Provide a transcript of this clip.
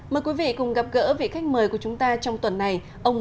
mời quý vị cùng gặp gỡ vị khách mời của chúng ta trong tuần này